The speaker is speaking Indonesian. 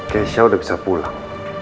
keisha sudah bisa pulang